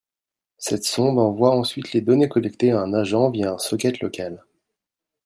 Cette sonde envoie ensuite les données collectées à un agent via un socket local